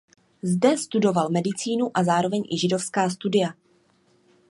Zde studoval medicínu a zároveň i židovská studia.